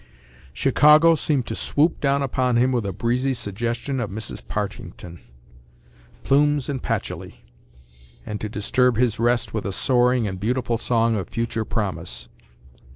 Chicago seemed to swoop down upon him with a breezy suggestion of Mrs. Partington, plumes and patchouli, and to disturb his rest with a soaring and beautiful song of future promise.